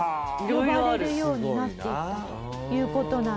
呼ばれるようになっていったという事なんですよ。